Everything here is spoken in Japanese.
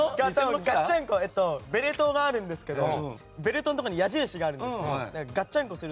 ベルトがあるんですけどベルトのところに矢印があるんです。